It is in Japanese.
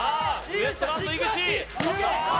ウエストランド井口さあ